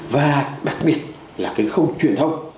và đặc biệt là cái không truyền thông